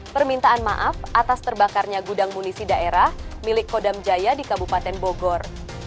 permintaan maaf atas terbakarnya gudang munisi daerah milik kodam jaya di kabupaten bogor